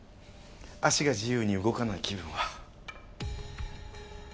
足が自由に動かない気分は。